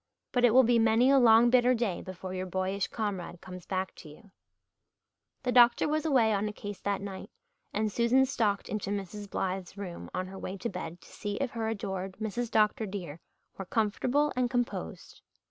But it will be many a long bitter day before your boyish comrade comes back to you. The doctor was away on a case that night and Susan stalked into Mrs. Blythe's room on her way to bed to see if her adored Mrs. Dr. dear were "comfortable and composed."